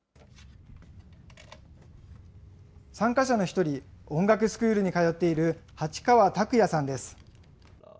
参加者の一人、音楽スクールに通っている八川卓矢さんです。